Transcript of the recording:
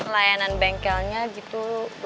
layanan bengkelnya gitu